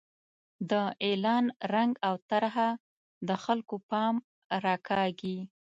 د اعلان رنګ او طرحه د خلکو پام راکاږي.